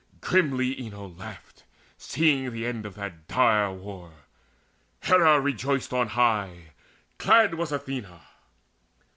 Grimly Enyo laughed, seeing the end Of that dire war; Hera rejoiced on high; Glad was Athena.